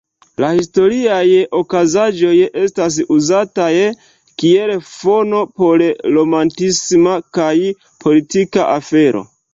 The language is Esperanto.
La historiaj okazaĵoj estas uzataj kiel fono por romantisma kaj politika afero.